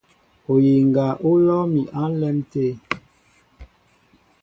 Oyiŋga ó lɔ́ɔ́ mi á ǹlɛ́m tê.